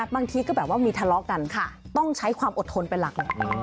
บางทีก็แบบว่ามีทะเลาะกันต้องใช้ความอดทนเป็นหลักเลย